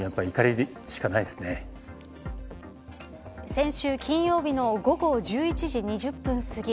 先週金曜日の午後１１時２０分すぎ